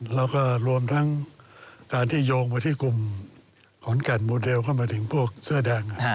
แล้วก็รวมทั้งการที่โยงไปที่กลุ่มขอนแก่นโมเดลเข้ามาถึงพวกเสื้อแดง